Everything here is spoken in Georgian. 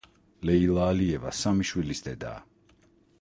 ლეილა ალიევა სამი შვილის დედაა.